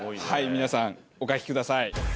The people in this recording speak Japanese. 皆さんお書きください。